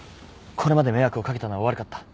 これまで迷惑をかけたのは悪かった。